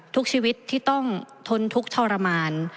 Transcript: ทุกชีวิตที่ต้องทนทุกข์ทรมาน